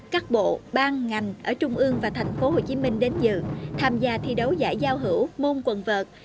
các bộ ban ngành ở trung ương và thành phố hồ chí minh đến dự tham gia thi đấu giải giao hữu môn quần vợt